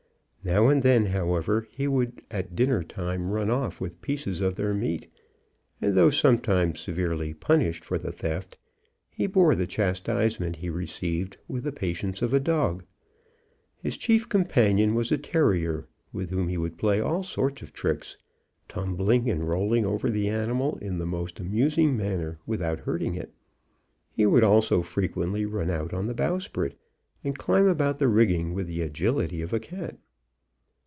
Now and then, however, he would at dinner time run off with pieces of their meat; and though sometimes severely punished for the theft, he bore the chastisement he received with the patience of a dog. His chief companion was a terrier, with whom he would play all sorts of tricks tumbling and rolling over the animal in the most amusing manner, without hurting it. He would also frequently run out on the bowsprit, and climb about the rigging with the agility of a cat.